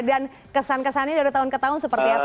dan kesan kesannya dari tahun ke tahun seperti apa